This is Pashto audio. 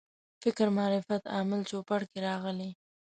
فکر معرفت عامل چوپړ کې راغلي.